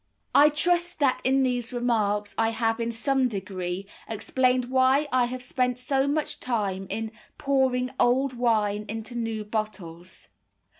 I trust that in these remarks I have in some degree explained why I have spent so much time in pouring "old wine into new bottles."